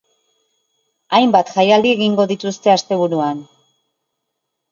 Hainbat jaialdi egingo dituzte asteburuan.